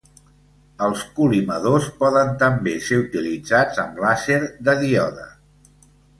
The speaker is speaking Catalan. Els col·limadors poden també ser utilitzats amb làser de díode.